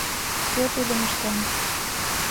— Кӧ тудым ыштен?